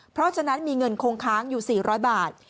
เพราะฉะนั้นมีเงินคงค้างอยู่๔๐๐บาท